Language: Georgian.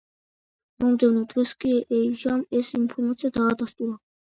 მომდევნო დღეს კი ეიჟამ ეს ინფორმაცია დაადასტურა.